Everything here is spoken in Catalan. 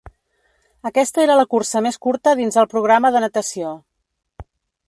Aquesta era la cursa més curta dins el programa de natació.